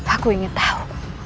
aku ingin tahu